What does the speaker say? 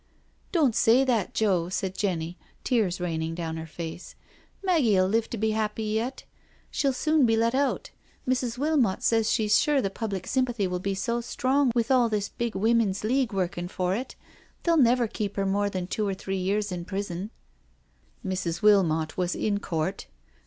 " Don't say that, Joe," said Jenny, tears raining down her face. " Maggie'uU live to be happy yet. She'll soon be let out— Mrs. Wilmot says she is sure the public sympathy will be so strong with all this big Womien's League workin* for it, they'll never keep 'er more than two or three years in prison*" 3o6 NO SURRENDER " Mrs. Wilmot was in court.